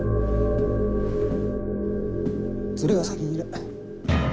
連れが先にいる。